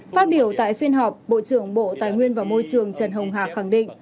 phát biểu tại phiên họp bộ trưởng bộ tài nguyên và môi trường trần hồng hà khẳng định